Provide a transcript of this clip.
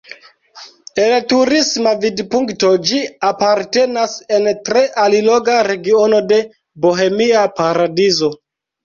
El turisma vidpunkto ĝi apartenas en tre alloga regiono de Bohemia paradizo.